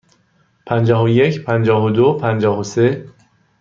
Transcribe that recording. پنجاه و یک، پنجاه و دو، پنجاه و سه.